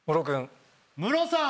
ムロさん